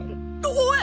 おい！